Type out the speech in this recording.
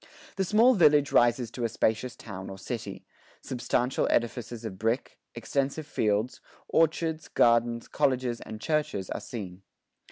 The small village rises to a spacious town or city; substantial edifices of brick, extensive fields, orchards, gardens, colleges, and churches are seen.